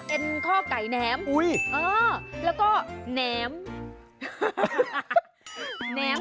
ข้อไก่แหนมแล้วก็แหนม